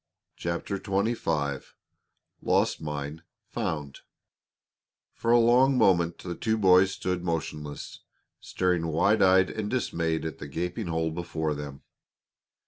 CHAPTER XXV LOST MINE FOUND For a long moment the two boys stood motionless, staring wide eyed and dismayed at the gaping hole before them.